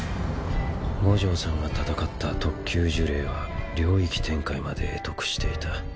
五条さんが戦った特級呪霊は領域展開まで会得していた。